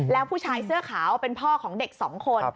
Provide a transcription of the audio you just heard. แล้วผู้ชายเสื้อขาวเป็นพ่อของเด็กสองคน